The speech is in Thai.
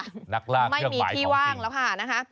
นักลากเครื่องหมายของจริงไม่มีที่ว่างแล้วค่ะนะคะ